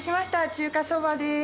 中華そばです。